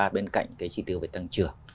bên cạnh cái chỉ tiêu về tăng trưởng